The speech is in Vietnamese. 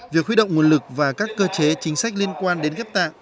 việc khuy động nguồn lực và các cơ chế chính sách liên quan đến ghép tạng